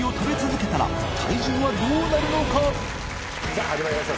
気始まりました